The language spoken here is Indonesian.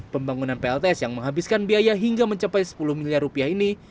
pembangunan plts yang menghabiskan biaya hingga mencapai sepuluh miliar rupiah ini